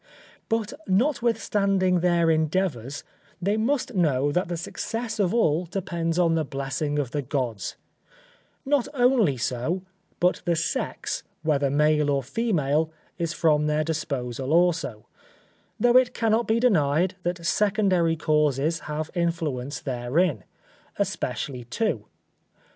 But notwithstanding their endeavours they must know that the success of all depends on the blessing of the Gods: not only so, but the sex, whether male or female, is from their disposal also, though it cannot be denied, that secondary causes have influence therein, especially two.